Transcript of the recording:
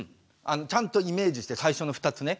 ちゃんとイメージして最初の２つね。